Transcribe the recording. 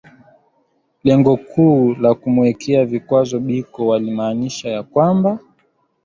Lengo kuu la kumuwekea vikwazo Biko walimaansha ya kwamba